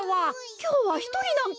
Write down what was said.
きょうはひとりなんか？